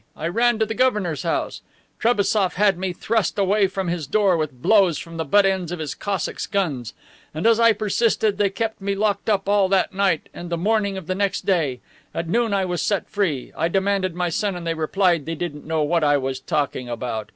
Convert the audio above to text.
I ran to the governor's house. Trebassof had me thrust away from his door with blows from the butt ends of his Cossacks' guns. And, as I persisted, they kept me locked up all that night and the morning of the next day. At noon I was set free. I demanded my son and they replied they didn't know what I was talking about.